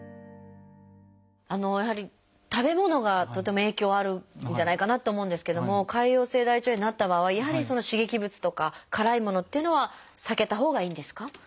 やはり食べ物がとても影響あるんじゃないかなって思うんですけども潰瘍性大腸炎になった場合やはり刺激物とか辛いものというのは避けたほうがいいんですか？